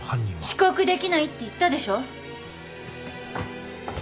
遅刻できないって言ったでしょ。